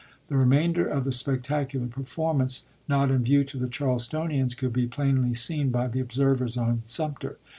The remainder of the spectacular performance not in view to the Charles tonians could be plainly seen by the observers on Sumter.